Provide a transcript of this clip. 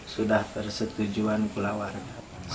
sudah tersetujuan pula warga